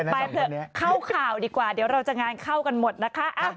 ไปเถอะเข้าข่าวดีกว่าเดี๋ยวเราจะงานเข้ากันหมดนะคะ